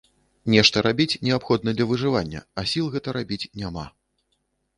Нешта рабіць неабходна для выжывання, а сіл гэта рабіць няма.